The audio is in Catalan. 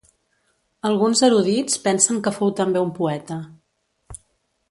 Alguns erudits pensen que fou també un poeta.